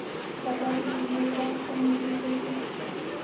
سبا د جمعې ورځ ده مېلې ته ځو